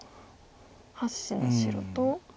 ８子の白と。